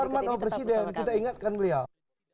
karena kita hormat sama presiden kita ingatkan beliau